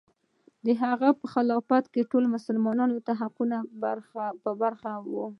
د هغه په خلافت کې ټول انسانان له حقونو برخمن و.